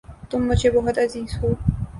تم مجھے بہت عزیز ہو